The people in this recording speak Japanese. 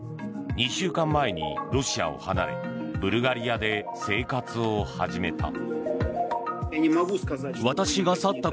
２週間前にロシアを離れブルガリアで生活を始めた。